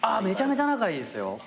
めちゃめちゃ仲いいですよ。